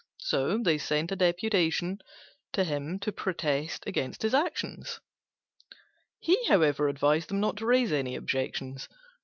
So they sent a deputation to him to protest against his action. He, however, advised them not to raise any objections.